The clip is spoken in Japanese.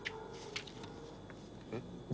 えっ。